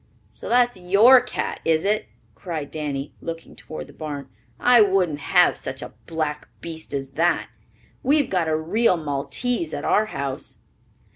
"So that's your cat, is it?" cried Danny, looking toward the barn. "I wouldn't have such a black beast as that! We've got a real Maltese at our house."